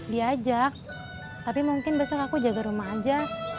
diajak tapi mungkin besok aku jaga rumah aja